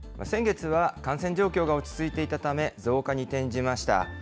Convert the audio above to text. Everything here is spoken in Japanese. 先月は感染状況が落ち着いていたため増加に転じました。